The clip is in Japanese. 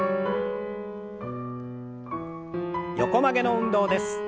横曲げの運動です。